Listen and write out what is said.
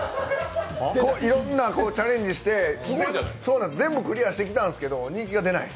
いろんなチャレンジして、全部クリアしてきたんですけど人気が出ない。